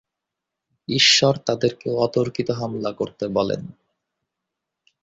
ঈশ্বর তাদেরকে অতর্কিত হামলা করতে বলেন।